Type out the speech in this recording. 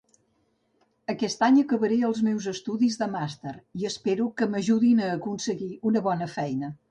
Aquest any acabaré els meus estudis de màster i espero que m'ajudin a aconseguir una bona feina.